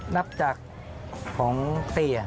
นับจากของเสีย